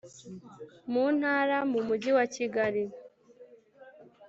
Mu ntara mu mujyi wa kigali